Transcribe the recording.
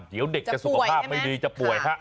เดี๋ยวเด็กจะสุขภาพไม่ดีจะป่วยฮะ